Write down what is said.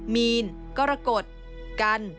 มีนกรกฎกัน